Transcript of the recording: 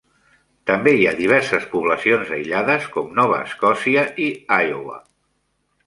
També hi ha diverses poblacions aïllades, com Nova Escòcia i Iowa.